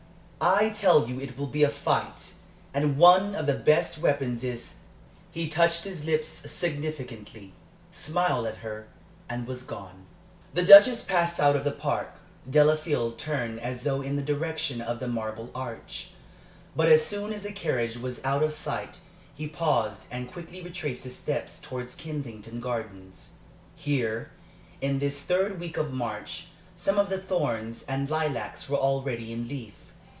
I tell you it will be a fight, and one of the best weapons is" he touched his lips significantly, smiled at her, and was gone. The Duchess passed out of the Park. Delafield turned as though in the direction of the Marble Arch, but as soon as the carriage was out of sight he paused and quickly retraced his steps towards Kensington Gardens. Here, in this third week of March, some of the thorns and lilacs were already in leaf.